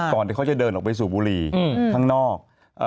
ที่เขาจะเดินออกไปสูบบุรีข้างนอก